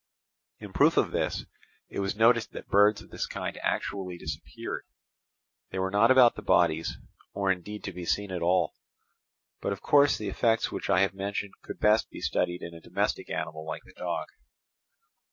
In proof of this, it was noticed that birds of this kind actually disappeared; they were not about the bodies, or indeed to be seen at all. But of course the effects which I have mentioned could best be studied in a domestic animal like the dog.